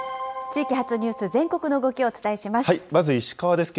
地域発ニュース、全国の動きをお伝えします。